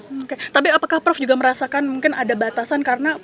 oke tapi apakah prof juga merasakan mungkin ada batasan karena